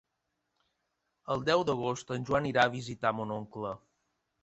El deu d'agost en Joan irà a visitar mon oncle.